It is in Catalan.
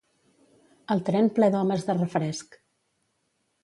El tren ple d'homes de refresc